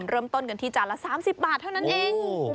เริ่มต้นกันที่จานละ๓๐บาทเท่านั้นเอง